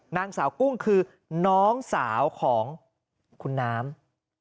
นางสาวกุ้งคือน้องสาวของคุณน้ำ